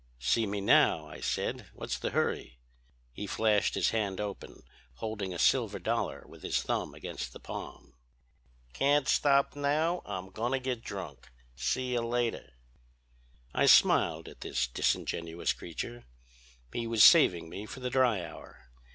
"'See me now,' I said. 'What's the hurry?' "He flashed his hand open, holding a silver dollar with his thumb against the palm. "'Can't stop now, I'm going to get drunk. See you later.' "I smiled at this disingenuous creature. He was saving me for the dry hour.